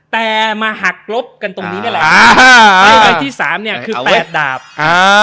แต่มาหักลบกันตรงนี้นี่แหละอ่าใบที่สามเนี้ยคือแปดดาบอ่า